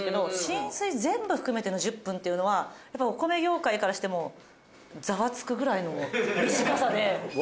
浸水全部含めての１０分というのはやっぱりお米業界からしてもザワつくぐらいの短さで」